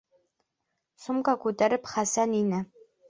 Сумка күтәреп Хәсән инә.